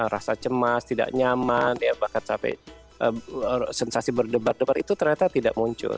rasa cemas tidak nyaman bahkan sampai sensasi berdebat debat itu ternyata tidak muncul